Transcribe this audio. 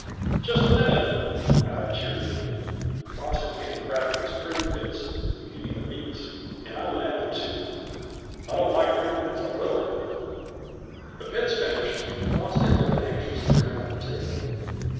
"Just a minute," I cheered him. Frosty began cracking his prune pits and eating the meats, and I went at it, too. I don't like prune pits a little bit. The pits finished, Frosty looked anxiously around the table.